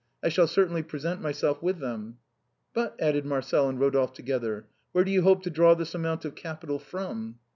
I shall certainly present myself with them." " But," added Marcel and Ilodolplie together, " where do you hope to draw this amount of capital from?